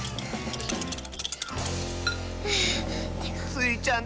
スイちゃん